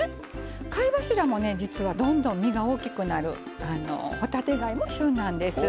貝柱も実はどんどん身が大きくなる帆立て貝も旬なんです。